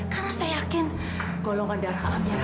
karena saya yakin golongan darah amira